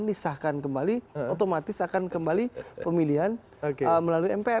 disahkan kembali otomatis akan kembali pemilihan melalui mpr